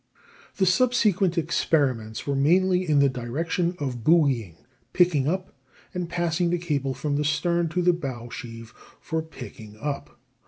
The subsequent experiments were mainly in the direction of buoying, picking up, and passing the cable from the stern to the bow sheave for picking up.